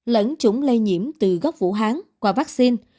lẫn chủng lây nhiễm từ gốc vũ hán qua vaccine